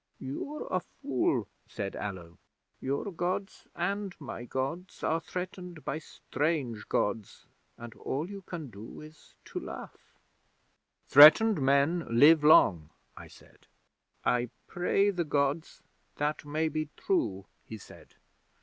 '"You're a fool," said Allo. "Your Gods and my Gods are threatened by strange Gods, and all you can do is to laugh." '"Threatened men live long," I said. '"I pray the Gods that may be true," he said.